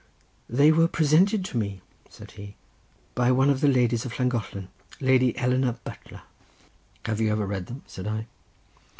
"They were presented to me," said he, "by one of the ladies of Llangollen, Lady Eleanor Butler." "Have you ever read them?" said I.